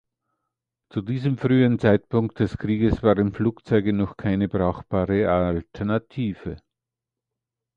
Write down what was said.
Zu diesem frühen Zeitpunkt des Krieges waren Flugzeuge noch keine brauchbare Alternative.